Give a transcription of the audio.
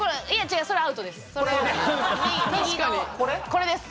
これです。